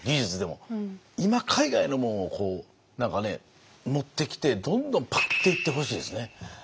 今海外のもんを持ってきてどんどんパクっていってほしいですね。